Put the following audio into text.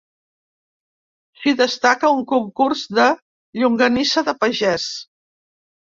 S'hi destaca un concurs de llonganissa de pagès.